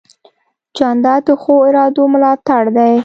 جانداد د ښو ارادو ملاتړ دی.